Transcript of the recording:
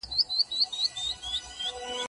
پنځوس باره پېښوری وریجي لیږی.